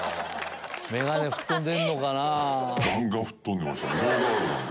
眼鏡吹っ飛んでんのかな。